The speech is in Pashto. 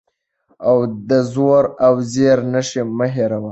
د زور او زېر نښې مه هېروه.